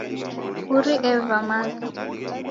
Mburi eva maza